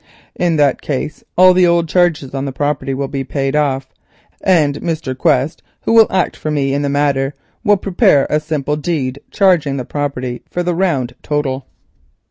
In that case all the old charges on the property will be paid off, and Mr. Quest, who will act for me in the matter, will prepare a single deed charging the estate for the round total."